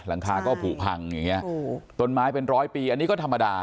หลังคาก็ผูพังอย่างนี้ต้นไม้เป็นร้อยปีอันนี้ก็ธรรมดา